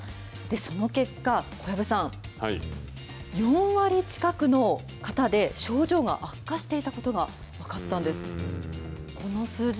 その結果、小籔さん、４割近くの方で症状が悪化していたことが分かったんです。